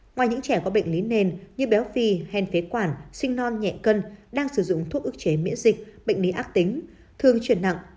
ngoài những trẻ có bệnh lý nền như béo phì hèn phế quản sinh non nhẹ cân đang sử dụng thuốc ức chế miễn dịch bệnh lý ác tính thường chuyển nặng